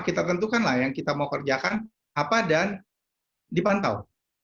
kita tentukan lah yang kita mau kerjakan apa dan dipantau